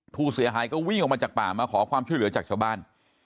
ผู้เสียหายก็วิ่งออกมาจากป่ามาขอความช่วยเหลือจากชาวบ้าน